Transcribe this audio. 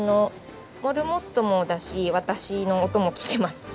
モルモットもだし私の音も聞けますし。